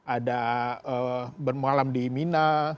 ada malam di imina